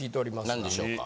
何でしょうか？